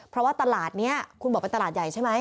เพราะว่าตลาดนี้คุณบอกเป็นตลาดใหญ่ใช่ไหม